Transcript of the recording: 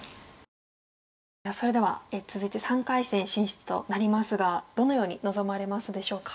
それでは続いて３回戦進出となりますがどのように臨まれますでしょうか。